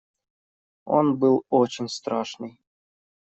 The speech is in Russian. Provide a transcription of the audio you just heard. Он был очень страшный.